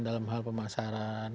dalam hal pemasaran